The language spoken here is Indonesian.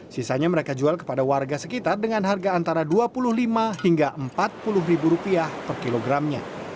sisanya mereka jual kepada warga sekitar dengan harga antara dua puluh lima hingga empat puluh ribu rupiah per kilogramnya